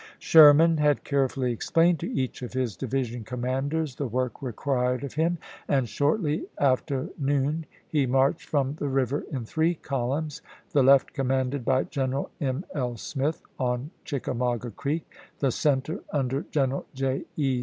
Sherman had carefully explained to each of his division commanders the work required of him, and shortly after noon he marched from the river in three columns, the left commanded by General M. L. Smith on Chickamauga Creek, the center under General J. E.